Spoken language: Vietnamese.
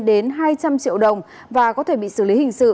đến hai trăm linh triệu đồng và có thể bị xử lý hình sự